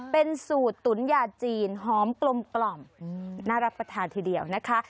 เป็นสูตรตุ๋นยาจีนหอมกลมน่ารับประทานทีเดียวนะคะ